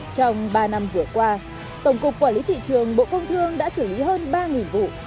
trong ba năm vừa qua tổng cục quản lý thị trường bộ công thương đã xử lý hơn ba vụ